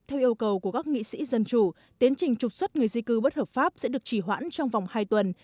theo yêu cầu của các nghị sĩ dân chủ tiến trình trục xuất người di cư bất hợp pháp sẽ được chỉ hoãn trong vòng hai tuần